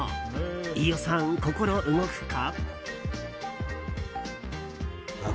飯尾さん、心動くか。